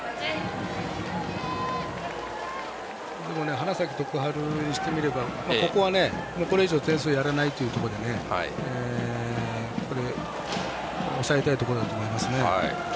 花咲徳栄にしてみればここはこれ以上点数やらないというところでやっぱり抑えたいところだと思います。